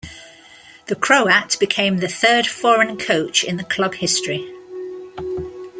The Croat became the third foreign coach in the club history.